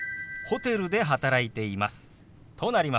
ホテルで働いています。